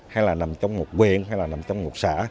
hay là nằm trong một quyền hay là nằm trong một xã